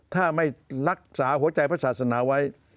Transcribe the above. ถ้าไม่รักษาหัวใจพระศาสนาไว้